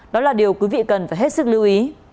đó là điều quý vị cần phải hết sức lưu ý